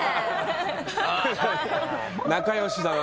仲良しだな。